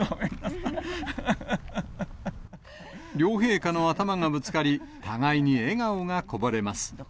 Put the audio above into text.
両陛下の頭がぶつかり、互いに笑顔がこぼれます。